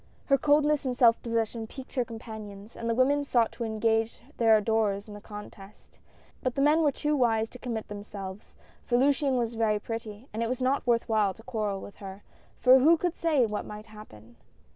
Her coldness and self possession piqued her companions, and the women sought to engage their adorers in the contest ; but the men were too wise to commit themselves, for Luciane was very pretty, and it was not worth while to quarrel with her, for who could say what might happen